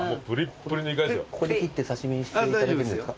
ここで切って刺し身にしていただけるんですか？